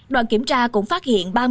đoàn kiểm tra cũng phát hiện